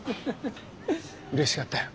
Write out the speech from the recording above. うれしかったよ。